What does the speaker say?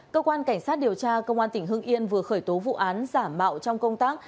cơ quan cảnh sát điều tra công an tỉnh hưng yên vừa khởi tố vụ án giả mạo trong công tác